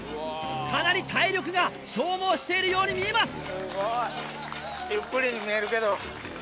かなり体力が消耗しているように見えます！